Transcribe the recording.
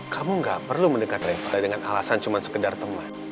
kamu gak perlu mendekat reva dengan alasan cuma sekedar teman